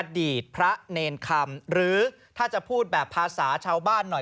อดีตพระเนรคำหรือถ้าจะพูดแบบภาษาชาวบ้านหน่อย